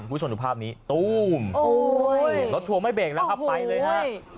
คุณผู้ชมดูภาพนี้ตู้มโอ้ยรถทัวร์ไม่เบรกแล้วครับไปเลยฮะ